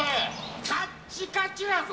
カッチカチやぞ！